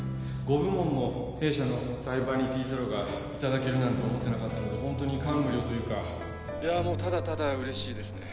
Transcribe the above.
５部門も弊社のサイバニティゼロがいただけるなんて思ってなかったのでホントに感無量というかいやもうただただ嬉しいですね